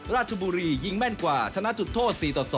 ราชบุรียิงแม่นกว่าชนะจุดโทษ๔ต่อ๒